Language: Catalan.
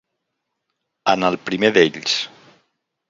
En el primer d'ells.